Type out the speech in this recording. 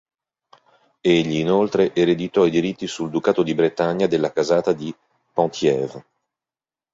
Egli, inoltre, ereditò i diritti sul ducato di Bretagna dalla casata dei Penthièvre.